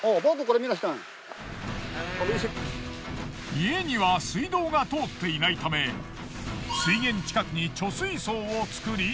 家には水道が通っていないため水源近くに貯水槽を作り